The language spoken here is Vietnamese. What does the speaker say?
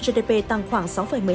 gdp tăng khoảng sáu một mươi hai